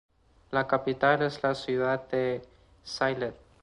La capital es la ciudad de Sylhet.